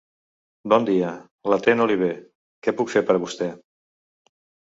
Bon dia, l'atén Oliver, què puc fer per vostè?